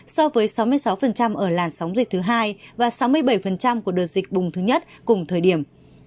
so với sáu mươi sáu ở làn sóng dịch thứ hai và sáu mươi bảy của đợt dịch bùng thứ nhất cùng thời điểm